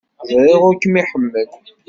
Ẓriɣ ur kem-iḥemmel.